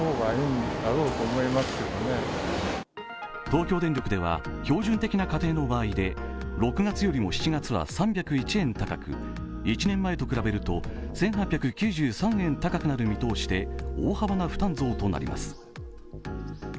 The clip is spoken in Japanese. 東京電力では、標準的な家庭の場合で６月よりも７月は３０１円高く１年前と比べると、１８９３円高くなる見通しで大幅な負担増となります。